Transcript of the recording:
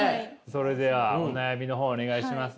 それではお悩みの方お願いします。